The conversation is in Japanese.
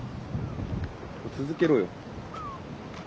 続けろよ。